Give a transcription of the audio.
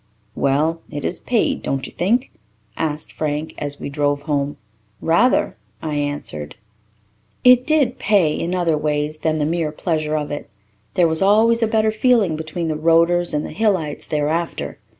"Well, it has paid, don't you think?" asked Frank, as we drove home. "Rather," I answered. It did "pay" in other ways than the mere pleasure of it. There was always a better feeling between the Roaders and the Hillites thereafter.